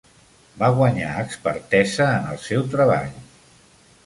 Va guanyar expertesa en el seu treball.